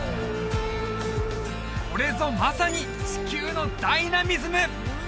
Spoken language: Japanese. これぞまさに地球のダイナミズム！